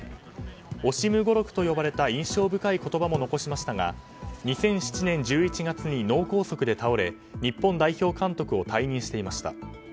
オシム語録と呼ばれた印象深い言葉も残しましたが２００７年１１月に脳梗塞で倒れ日本代表監督を退任していました。